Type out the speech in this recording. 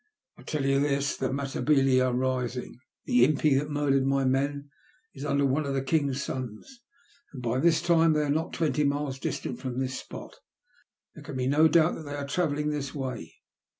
I tell you this, the Matabele are rising. The impi that murdered my men is under one of the king's sons, and by this time they are not twenty miles distant from this spot. There can be no doubt that they are travelling this way.